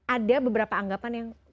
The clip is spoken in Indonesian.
ada beberapa anggapan yang